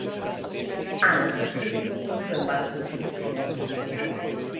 Ágakra készíti gömb alakú fészkét.